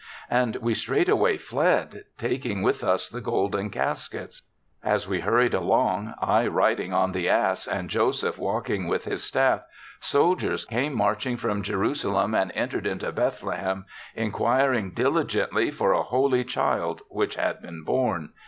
"And we straightway fled, taking with us the golden caskets. As we hurried along, I riding on the ass and Joseph walking with his staff, soldiers came marching from Jeru salem and entered into Bethlehem, inquiring diligently for a holy child which had been born.